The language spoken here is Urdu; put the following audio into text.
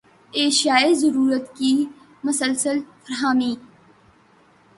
اشیائے ضرورت کی مسلسل فراہمی